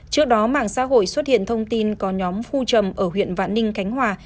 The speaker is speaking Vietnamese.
trước đó mạng xã hội xuất hiện thông tin có nhóm phu chầm ở huyện vạn ninh cánh hòa